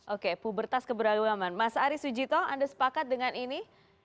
oke pubertas keberagaman mas ari sujito anda sepakat dengan ini